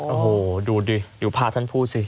โอ้โหดูดิดูภาพท่านพูดสิ